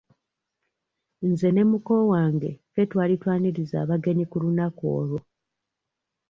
Nze ne muko wange ffe twali twaniriza abagenyi ku lunaku olwo.